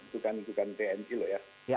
bukan tni loh ya